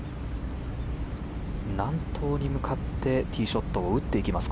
南東に向かってティーショットを打っていきます